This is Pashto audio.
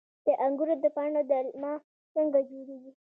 د انګورو د پاڼو دلمه څنګه جوړیږي؟